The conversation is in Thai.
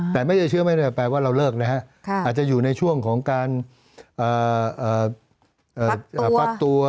แต่ไม่ใช่เชื้อไม่ได้แปลว่าเราเลิกนะฮะอาจจะอยู่ในช่วงของการฟักตัว